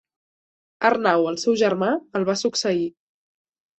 Arnau el seu germà el va succeir.